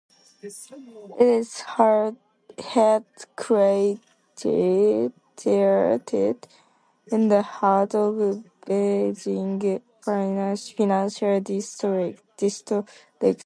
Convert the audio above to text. It is headquartered in the heart of Beijing financial district.